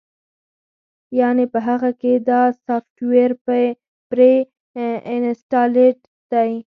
يعنې پۀ هغۀ کښې دا سافټوېر پري انسټالډ دے